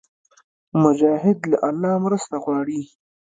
مجاهد له الله مرسته غواړي.